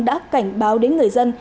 đã cảnh báo đến người dân